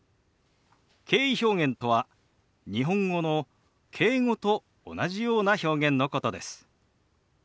敬意表現とは日本語の「敬語」と同じような表現のことです。